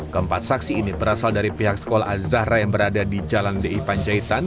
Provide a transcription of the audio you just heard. keempat saksi ini berasal dari pihak sekolah azahra yang berada di jalan di panjaitan